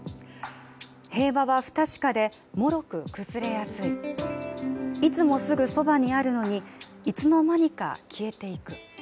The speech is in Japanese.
「平和は不確かで脆く崩れやすいいつもすぐそばにあるのにいつのまにか消えていく」